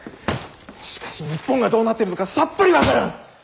しかし日本がどうなっているのかさっぱり分からん。